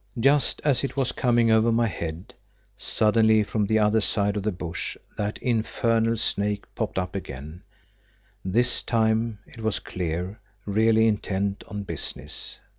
Just as it was coming over my head, suddenly from the other side of the bush that infernal snake popped up again, this time, it was clear, really intent on business.